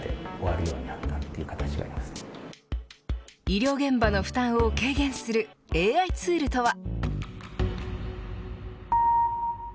医療現場の負担を軽減するＡＩツールとは。